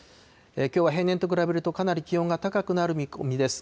きょうは平年と比べると、かなり気温が高くなる見込みです。